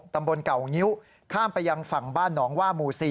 ตำบลเก่างิ้วข้ามไปยังฝั่งบ้านหนองว่าหมู่๔